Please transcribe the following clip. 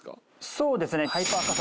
そうですね。